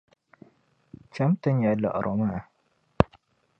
Chami ti nya liɣiri maa.